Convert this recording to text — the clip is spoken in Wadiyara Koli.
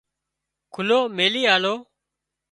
کُلو ميلي آليو